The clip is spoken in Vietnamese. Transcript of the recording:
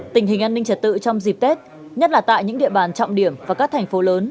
tình hình an ninh trật tự trong dịp tết nhất là tại những địa bàn trọng điểm và các thành phố lớn